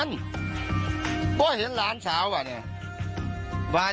เริ่มเกญากับทิชฯที่มีงาน